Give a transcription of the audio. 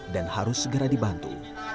dan harus segera dibantu